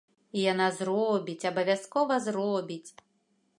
І яна зробіць, абавязкова зробіць.